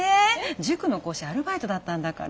塾の講師アルバイトだったんだから。